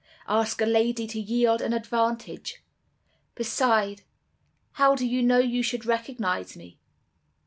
'Ask a lady to yield an advantage! Beside, how do you know you should recognize me?